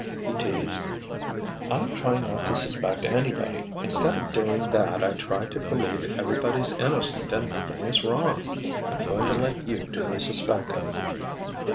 he teased. "I'm trying not to suspect anybody. Instead of doing that I try to believe everybody's innocent and nothing is wrong. I'm going to let you do the suspecting."